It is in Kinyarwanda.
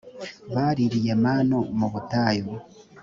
baririye manu mu butayu